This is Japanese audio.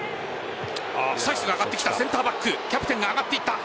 サイスが上がってきたセンターバックキャプテンが上がっていった。